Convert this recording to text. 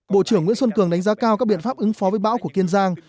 bộ trưởng nguyễn xuân cường đánh giá cao các biện pháp ứng phó với bão của kiên giang